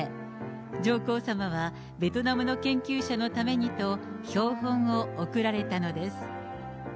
上皇さまは、ベトナムの研究者のためにと、標本を贈られたのです。